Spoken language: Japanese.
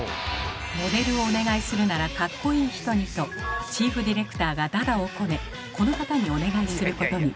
「モデルをお願いするならカッコイイ人に」とチーフディレクターがだだをこねこの方にお願いすることに。